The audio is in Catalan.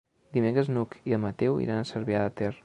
Dimecres n'Hug i en Mateu iran a Cervià de Ter.